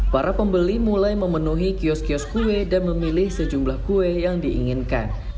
para pembeli mulai memenuhi kios kios kue dan memilih sejumlah kue yang diinginkan